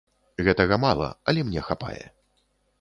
Гэтага мала, але мне хапае.